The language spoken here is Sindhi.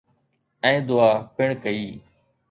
۽ دعا پڻ ڪئي